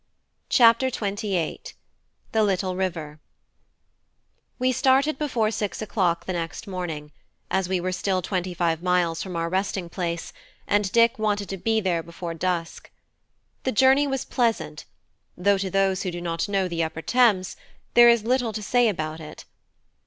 CHAPTER XXVIII: THE LITTLE RIVER We started before six o'clock the next morning, as we were still twenty five miles from our resting place, and Dick wanted to be there before dusk. The journey was pleasant, though to those who do not know the upper Thames, there is little to say about it.